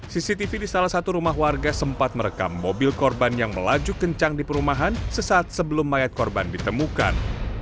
cctv di salah satu rumah warga sempat merekam mobil korban yang melaju kencang di perumahan sesaat sebelum mayat korban ditemukan